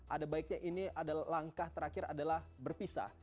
atau baiknya ini langkah terakhir adalah berpisah